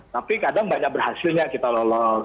tapi kadang banyak berhasilnya kita lolos